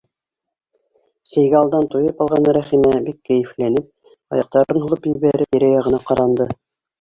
Сәйгә алдан туйып алған Рәхимә бик кәйефләнеп, аяҡтарын һуҙып ебәреп, тирә-яғына ҡаранды.